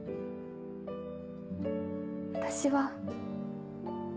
私は。